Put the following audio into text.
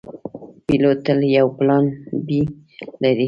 پیلوټ تل یو پلان “B” لري.